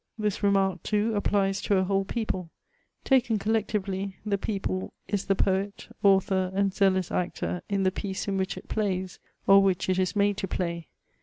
This remark, too, applies to a whole people; taken collectively, the people is the poet, author, and zealous actor in the piece in which it plays, or which it is made to play.